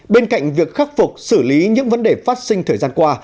bên cạnh việc khắc phục xử lý những vấn đề phát sinh thời gian qua